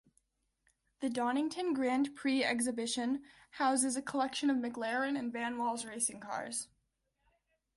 The Donington Grand Prix Exhibition houses a collection of McLaren and Vanwalls racing cars.